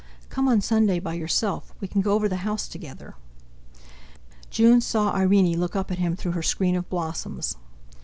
"Come on Sunday by yourself—We can go over the house together." June saw Irene look up at him through her screen of blossoms.